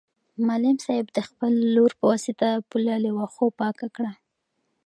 معلم صاحب د خپل لور په واسطه پوله له واښو پاکه کړه.